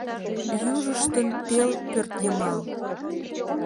Южыштын пел пӧртйымал.